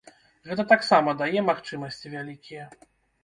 Гэта таксама дае магчымасці вялікія.